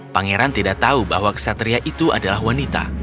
pangeran tidak tahu bahwa kesatria itu adalah wanita